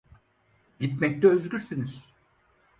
Gitmekte özgürsünüz.